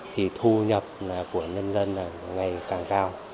thì thu nhập của nhân dân ngày càng cao